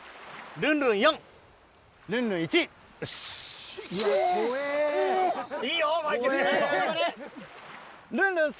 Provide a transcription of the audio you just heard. ルンルン３。